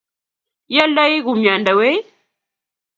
ioldei kumyande wei?